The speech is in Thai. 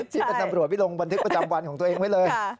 ที่เป็นตำรวจไปลงบันทึกประจำวันของตัวเองไว้เลย